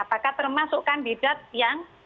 apakah termasuk kandidat yang